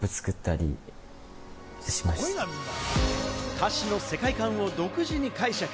歌詞の世界観を独自に解釈。